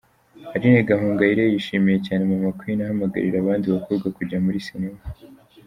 Aline Gahingayire yashimiye cyane Mama Queen, ahamagarira abandi bakobwa kujya muri sinema.